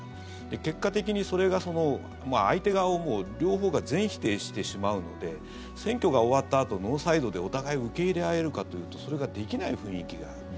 結果的にそれが相手側を両方が全否定してしまうので選挙が終わったあとノーサイドでお互い受け入れ合えるかというとそれができない雰囲気がある。